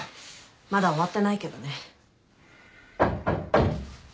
まだ終わってないけどね。